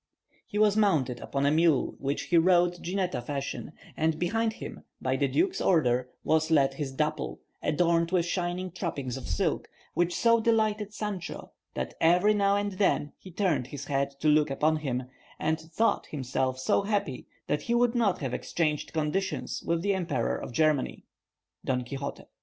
He was mounted upon a mule, which he rode gineta fashion, and behind him, by the duke's order, was led his Dapple, adorned with shining trappings of silk, which so delighted Sancho that every now and then he turned his head to look upon him, and thought himself so happy that he would not have exchanged conditions with the Emperor of Germany. _Don Quixote.